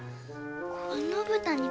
この豚肉。